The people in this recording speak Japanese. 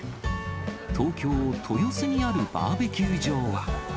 東京・豊洲にあるバーベキュー場は。